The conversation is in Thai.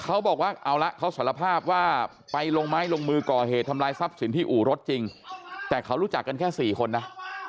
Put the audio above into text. เขาบอกว่าเอาละเขาสารภาพว่าไปลงไม้ลงมือก่อเหตุทำลายทรัพย์สินที่อู่รถจริงแต่เขารู้จักกันแค่๔คนนะ